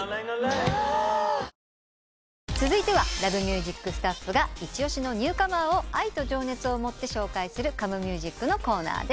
ぷはーっ続いては『Ｌｏｖｅｍｕｓｉｃ』スタッフが一押しのニューカマーを愛と情熱をもって紹介するＣｏｍｅｍｕｓｉｃのコーナーです。